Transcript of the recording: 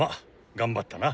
頑張ったな。